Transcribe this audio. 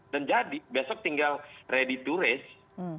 dan jadi besok tinggal ready to race